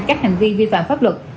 các hành vi vi phạm pháp luật